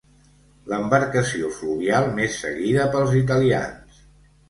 L'embarcació fluvial més seguida pels italians.